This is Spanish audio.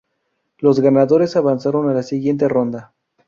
Los ganadores avanzaron a la siguiente ronda.